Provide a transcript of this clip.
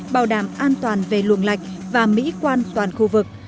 bảo đảm an toàn về luồng lạch và mỹ quan toàn khu vực